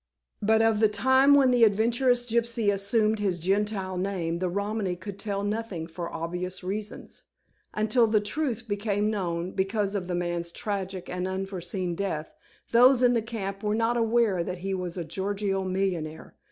But of the time when the adventurous gypsy assumed his Gentile name, the Romany could tell nothing, for obvious reasons. Until the truth became known, because of the man's tragic and unforeseen death, those in the camp were not aware that he was a Gorgio millionaire.